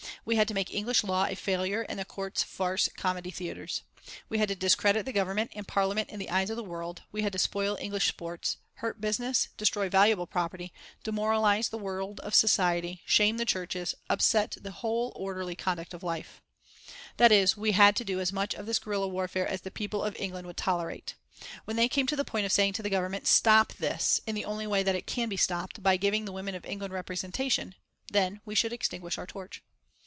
We had to make English law a failure and the courts farce comedy theatres; we had to discredit the Government and Parliament in the eyes of the world; we had to spoil English sports, hurt business, destroy valuable property, demoralise the world of society, shame the churches, upset the whole orderly conduct of life That is, we had to do as much of this guerilla warfare as the people of England would tolerate. When they came to the point of saying to the Government: "Stop this, in the only way it can be stopped, by giving the women of England representation," then we should extinguish our torch.